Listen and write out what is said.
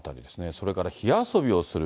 それから火遊びをする